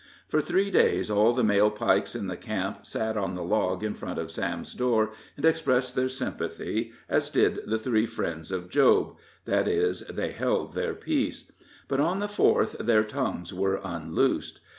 For three days all the male Pikes in the camp sat on the log in front of Sam's door, and expressed their sympathy as did the three friends of Job that is, they held their peace. But on the fourth their tongues were unloosed.